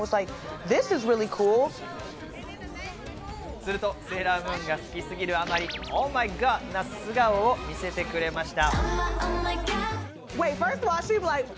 すると、『セーラームーン』が好きすぎるあまり、ＯｈＭｙＧｏｄな素顔を見せてくれました。